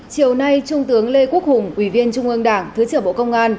chiều nay trung tướng lê quốc hùng ủy viên trung ương đảng thứ trưởng bộ công an